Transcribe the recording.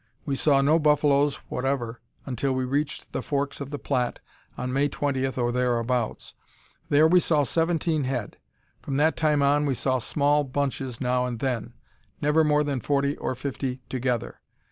We saw no buffaloes whatever until we reached the forks of the Platte, on May 20, or thereabouts. There we saw seventeen head. From that time on we saw small bunches now and then; never more than forty or fifty together.